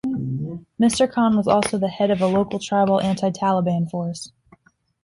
Mr Khan was also the head of a local tribal anti-Taliban force.